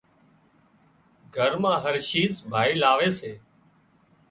گھر مان هر شيز ڀائي لاوي سي